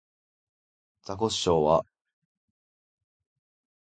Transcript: ザコシショウは